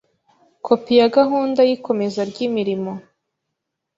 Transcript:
Kopi ya gahunda y ikomeza ry imirimo